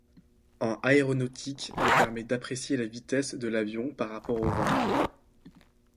En aéronautique, elle permet d'apprécier la vitesse de l'avion par rapport au vent.